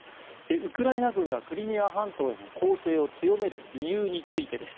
ウクライナ軍がクリミア半島への攻勢を強める理由についてです。